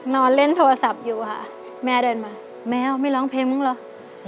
นอนเล่นโทรศัพท์อยู่ค่ะแม่เดินมาแมวไม่ร้องเพลงมึงเหรอ